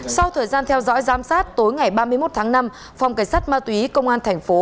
sau thời gian theo dõi giám sát tối ngày ba mươi một tháng năm phòng cảnh sát ma túy công an thành phố